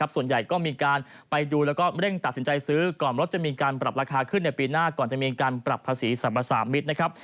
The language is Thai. ส่วนใหญ่ก็มีการไปดูแล้วก็เร่งตัดสินใจซื้อก่อนรถจะมีการปรับราคาขึ้นในปีหน้าก่อนจะมีการปรับภาษีสรรพสามิตรนะครับ